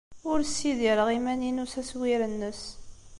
Ur ssidireɣ iman-inu s aswir-nnes.